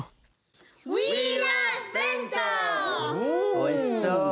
おいしそう。